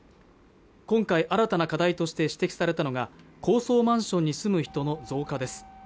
今回新たな課題として指摘されたのが高層マンションに住む人の増加です